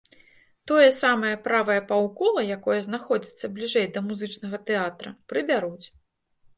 Тое самае правае паўкола, якое знаходзіцца бліжэй да музычнага тэатра, прыбяруць.